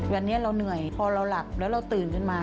วันนี้เราเหนื่อยพอเราหลับแล้วเราตื่นขึ้นมา